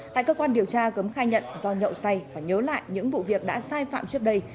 tại cơ quan điều tra gấm khai nhận do nhậu say và nhớ lại những vụ việc đã sai phạm trước đây